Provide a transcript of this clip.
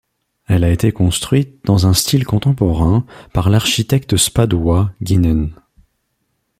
Elle a été construite dans un style contemporain par l'architecte spadois Geenen.